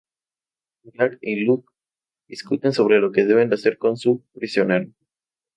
Jack y Locke discuten sobre lo que deben hacer con su prisionero.